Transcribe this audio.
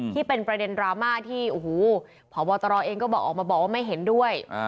ที่เป็นประเด็นดราม่าที่โอ้โหพบตรเองก็บอกออกมาบอกว่าไม่เห็นด้วย